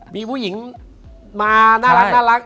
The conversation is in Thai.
มีผู้หญิงมาน่ารัก